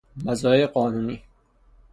مزایای قانونی